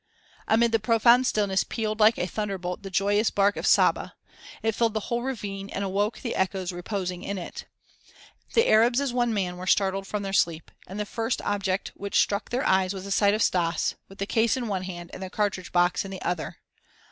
Amid the profound stillness pealed like a thunderbolt the joyous bark of Saba; it filled the whole ravine and awoke the echoes reposing in it. The Arabs as one man were startled from their sleep, and the first object which struck their eyes was the sight of Stas with the case in one hand and the cartridge box in the other.